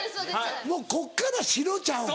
もうこっから白ちゃうん？